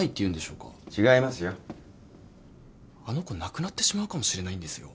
あの子亡くなってしまうかもしれないんですよ。